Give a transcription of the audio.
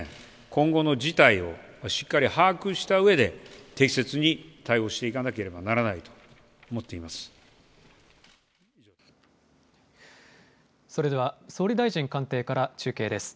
今後の事態をしっかり把握したうえで適切に対応していかなければならないと思っています。